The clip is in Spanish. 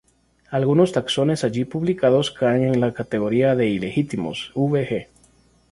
Algunos taxones allí publicados caen en la categoría de ilegítimos, v.g.